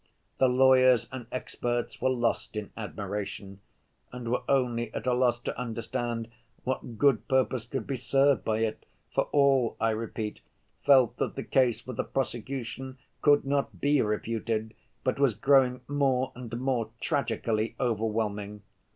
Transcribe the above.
The lawyers and experts were lost in admiration, and were only at a loss to understand what good purpose could be served by it, for all, I repeat, felt that the case for the prosecution could not be refuted, but was growing more and more tragically overwhelming.